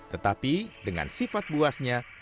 tetapi dengan sifat buasnya